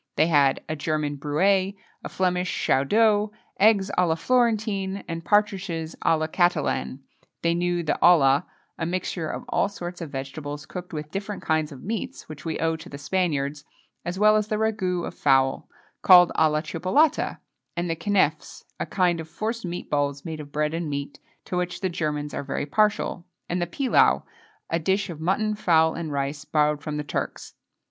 They had a German brouet, a Flemish chaudeau, eggs à la Florentine, and partridges à la Catalane. They knew the olla a mixture of all sorts of vegetables cooked with different kinds of meats, which we owe to the Spaniards, as well as the ragoût of fowl, called à la Chipolata, and the keneffes a kind of forced meat balls made of bread and meat, to which the Germans are very partial, and the pilau a dish of mutton, fowl, and rice, borrowed from the Turks.